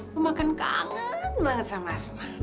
mama kan kangen banget sama asma